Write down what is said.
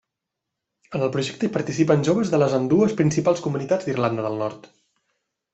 En el projecte hi participen joves de les ambdues principals comunitats d'Irlanda del Nord.